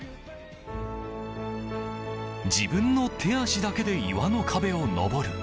自分の手足だけで岩の壁を登る。